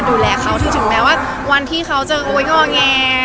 ดูแลเขาถึงแม้ว่าวันที่เขาจะโอ๊ยงอแง